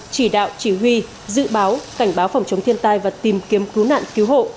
chỉ đạo chỉ huy dự báo cảnh báo phòng chống thiên tai và tìm kiếm cứu nạn cứu hộ